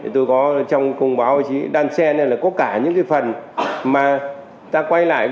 tôi có trong công báo đan xen là có cả những phần mà ta quay lại